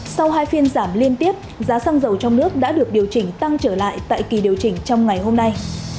sau hai phiên giảm liên tiếp giá xăng dầu trong nước đã được điều chỉnh tăng trở lại tại kỳ điều chỉnh trong ngày hôm nay